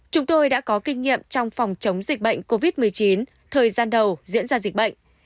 chúng tôi đã có kinh nghiệm trong phòng chống dịch bệnh covid một mươi chín thời gian đầu diễn ra dịch bệnh